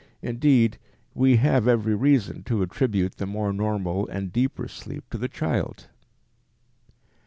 Indeed, we have every reason to attribute the more normal and deeper sleep to the child.